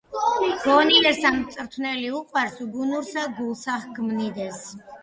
გონიერსა მწვრთნელი უყვარს, უგუნურსა გულსა ჰგმირდეს